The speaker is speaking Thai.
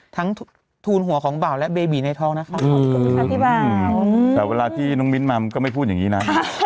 ทั้งทูลหัวของบ่าวและเบบีในท้องนะคะแต่เวลาที่น้องมิ้นมามันก็ไม่พูดอย่างนี้นะ